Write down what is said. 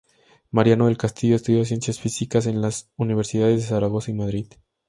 Mariano del Castillo estudió Ciencias Físicas en las Universidades de Zaragoza y Madrid.